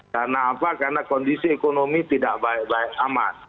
karena apa karena kondisi ekonomi tidak baik baik amat